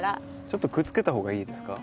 ちょっとくっつけた方がいいですか？